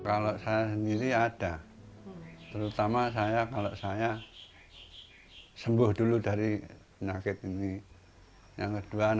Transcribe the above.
art when i had a sih terutama saya kalau saya sembuh dulu dari penakit tinggi yang kedua nanti